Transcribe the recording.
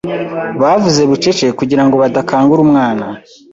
Bavuze bucece kugirango badakangura umwana.